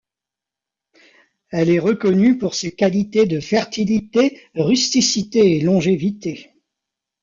Elle est reconnue pour ses qualités de fertilité, rusticité et longévité.